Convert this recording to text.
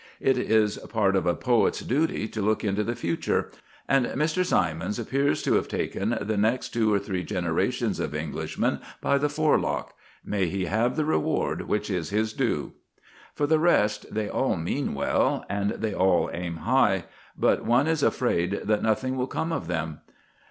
It is part of a poet's duty to look into the future, and Mr. Symons appears to have taken the next two or three generations of Englishmen by the forelock. May he have the reward which is his due! For the rest, they all mean well, and they all aim high; but one is afraid that nothing will come of them.